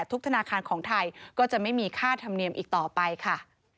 ธนาคารของไทยก็จะไม่มีค่าธรรมเนียมอีกต่อไปค่ะ